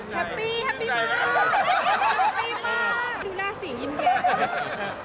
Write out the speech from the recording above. แฮปปี้แฮปปี้มากดูหน้าสียิ้มเย็น